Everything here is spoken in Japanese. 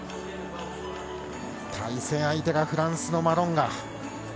対戦相手がフランスのマロンガ。